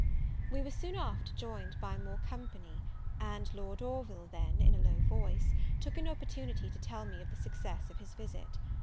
We were soon after joined by more company: and Lord Orville then, in a low voice, took an opportunity to tell me the success of his visit.